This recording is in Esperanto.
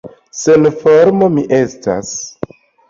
Senforma mi estas!